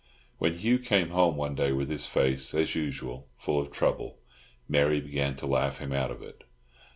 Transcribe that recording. When Hugh came home one day with his face, as usual, full of trouble, Mary began to laugh him out of it.